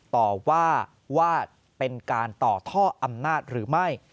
ต่อว่าว่าเป็นการต่อท่ออำนาจหรือไม่